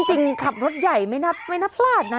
จริงขับรถใหญ่ไม่น่าพลาดนะ